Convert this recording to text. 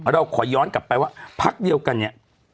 เราขอย้อนกลับไปว่าพักเดียวกันเนี่ย